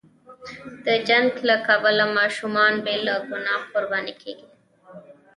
د جنګ له کبله ماشومان بې له ګناه قرباني کېږي.